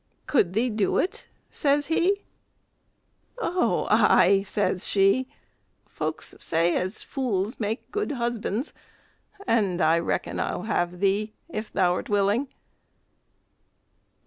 "Could thee do it?" says he. "Ou, ay!" says she; "folks say as fools make good husbands, and I reckon I'll have thee, if thou 'rt willing."